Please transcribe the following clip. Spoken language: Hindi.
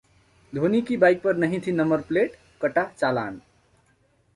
धोनी की बाइक पर नहीं थी नंबर प्लेट, कटा चालान